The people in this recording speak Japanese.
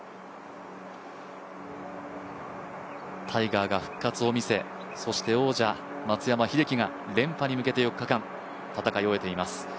タイガーが復活を見せ、そして王者・松山英樹が連覇に向けて４日間戦い終えています。